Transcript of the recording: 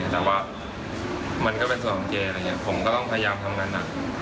แต่ว่ามันก็เป็นส่วนของเจอะไรอย่างนี้ผมก็ต้องพยายามทำงานหนัก